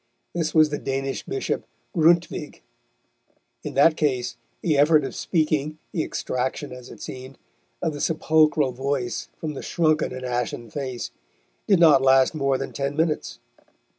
This was the Danish bishop Grundtvig. In that case the effort of speaking, the extraction, as it seemed, of the sepulchral voice from the shrunken and ashen face, did not last more than ten minutes.